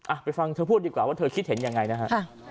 ไปฟังเธอพูดดีกว่าว่าเธอคิดเห็นยังไงนะฮะ